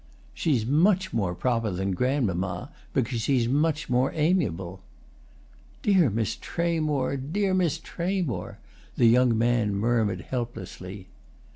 "She's much more proper than grandmamma, because she's much more amiable." "Dear Miss Tramore—dear Miss Tramore!" the young man murmured helplessly.